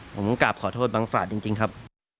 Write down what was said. ผมกราบขอโทษบังฝาดจริงครับ